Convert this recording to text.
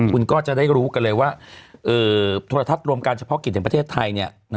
คุณก็จะได้รู้กันเลยว่าโทรทัศน์รวมการเฉพาะกิจแห่งประเทศไทยเนี่ย